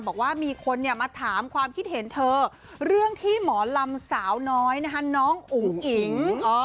บอกว่ามีคนมาถามความคิดเห็นเธอเรื่องที่หมอลำสาวน้อยนะคะน้องอุ๋งอิ๋ง